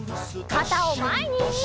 かたをまえに！